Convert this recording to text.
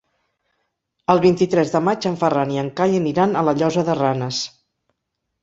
El vint-i-tres de maig en Ferran i en Cai aniran a la Llosa de Ranes.